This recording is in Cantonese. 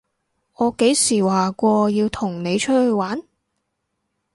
我幾時話過要同你出去玩？